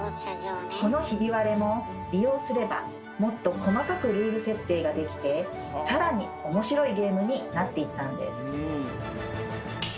このひび割れも利用すればもっと細かくルール設定ができて更に面白いゲームになっていったんです。